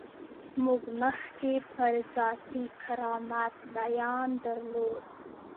موږ مخکې پر ذاتي کرامت بیان درلود.